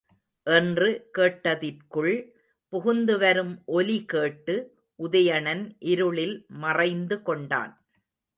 என்று கோட்டத்திற்குள் புகுந்துவரும் ஒலி கேட்டு, உதயணன் இருளில் மறைந்து கொண்டான்.